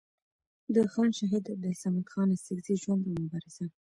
د خان شهید عبدالصمد خان اڅکزي ژوند او مبارزه